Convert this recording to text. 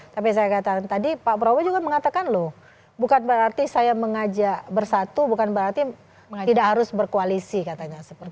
tapi saya katakan tadi pak prabowo juga mengatakan loh bukan berarti saya mengajak bersatu bukan berarti tidak harus berkoalisi katanya